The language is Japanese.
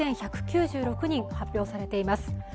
３万２１９６人発表されています。